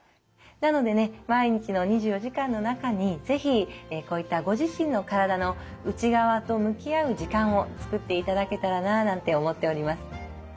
なのでね毎日の２４時間の中に是非こういったご自身の体の内側と向き合う時間を作っていただけたらななんて思っております。